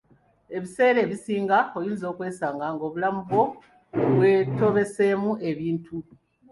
Ebiseera ebisinga oyinza okwesanga ng'obulamu bwo bwetobeseemu ebintu.